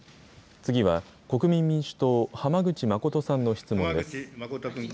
次は国民民主党、浜口誠さんの質問です。